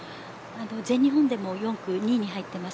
全日本でも４区２位に入っています。